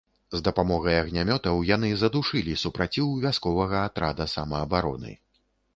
З дапамогай агнямётаў яны задушылі супраціў вясковага атрада самаабароны.